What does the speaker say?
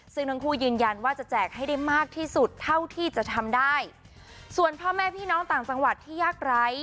ซึ่งทั้งคู่ยืนยันว่าจะแจกให้ได้มากที่สุดเท่าที่จะทำได้ส่วนพ่อแม่พี่น้องต่างจังหวัดที่ยากไร้